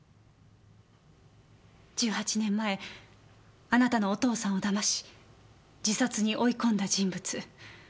１８年前あなたのお父さんをだまし自殺に追い込んだ人物。